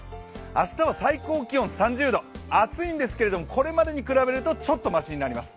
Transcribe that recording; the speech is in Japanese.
明日は最高気温３０度、暑いんですけど、これまでに比べると、ちょっとマシになります。